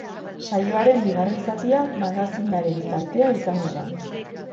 Saioaren bigarren zatia magazinaren tartea izango da.